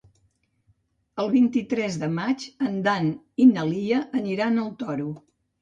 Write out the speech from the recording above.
El vint-i-tres de maig en Dan i na Lia aniran al Toro.